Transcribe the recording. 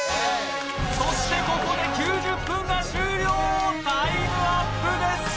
そしてここで９０分が終了タイムアップです